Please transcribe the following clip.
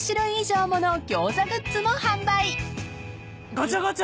ガチャガチャ。